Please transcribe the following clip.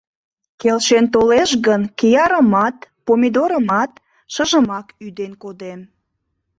— Келшен толеш гын, киярымат, помидорымат шыжымак ӱден кодем.